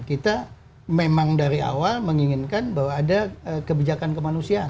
kita memang dari awal menginginkan bahwa ada kebijakan kemanusiaan